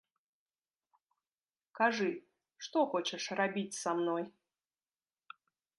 Кажы, што хочаш рабіць са мной?!